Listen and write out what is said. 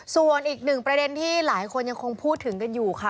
ส่วนอีกหนึ่งประเด็นที่หลายคนยังคงพูดถึงกันอยู่ค่ะ